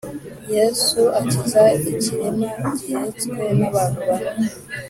Yesu akiza ikirema gihetswe n abantu bane